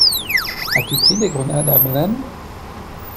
As-tu pris des grenades à banane?